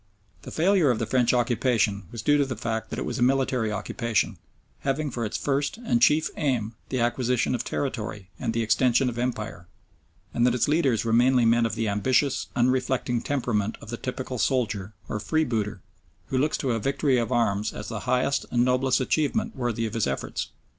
The failure of the French occupation was due to the fact that it was a military occupation, having for its first and chief aim the acquisition of territory and the extension of empire, and that its leaders were mainly men of the ambitious, unreflecting temperament of the typical soldier, or freebooter, who looks to a victory of arms as the highest and noblest achievement worthy of his efforts.